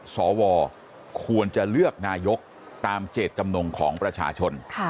สวควรจะเลือกนายกตามเจตจำนงของประชาชน